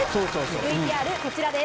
ＶＴＲこちらです。